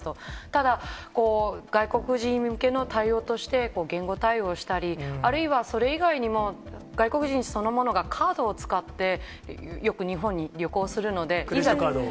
ただ、外国人向けの対応として、言語対応したり、あるいはそれ以外にも、外国人そのものがカードを使って、クレジットカードを。